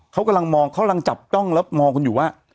เขากำลังมองเขากำลังจับจ้องแล้วมองคุณอยู่ว่า